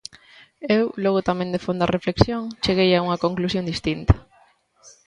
Eu, logo tamén de fonda reflexión, cheguei a unha conclusión distinta.